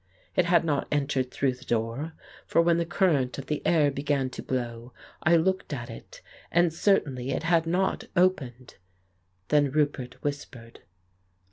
It had not entered through the door, for when the current of air began to blow I looked at it, and certainly it had not opened. Then Roupert whispered.